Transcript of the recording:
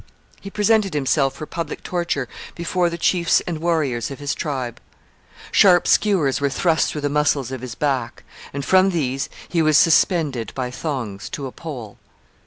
He presented himself for public torture before the chiefs and warriors of his tribe. Sharp skewers were thrust through the muscles of his back, and from these he was suspended by thongs to a pole.